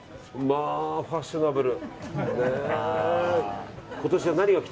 まあ、ファッショナブル。